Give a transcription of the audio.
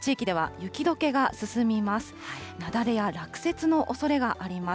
雪崩や落雪のおそれがあります。